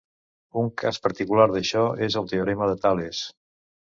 Un cas particular d'això és el teorema de Tales.